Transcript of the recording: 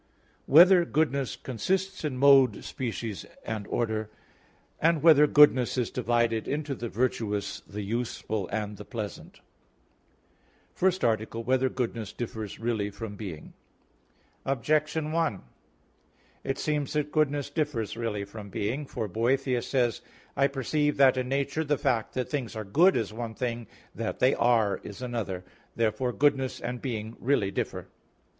(5) Whether goodness consists in mode, species, and order? (6) Whether goodness is divided into the virtuous, the useful, and the pleasant? _______________________ FIRST ARTICLE [I, Q. 5, Art. 1] Whether Goodness Differs Really from Being? Objection 1: It seems that goodness differs really from being. For Boethius says (De Hebdom.): "I perceive that in nature the fact that things are good is one thing: that they are is another." Therefore goodness and being really differ.